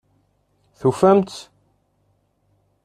Tufam-tt?